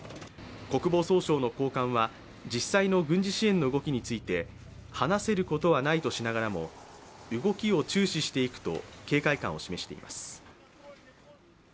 国防総省の高官は実際の軍事支援の動きについて話せることはないとしながらも動きを注視していくと警戒感を示しています。